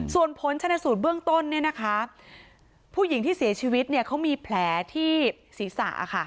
ส่วนผลชนสูตรเบื้องต้นเนี่ยนะคะผู้หญิงที่เสียชีวิตเขามีแผลที่ศีรษะ